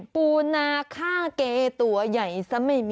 ปูนาค่าเกตัวใหญ่ซะไม่มี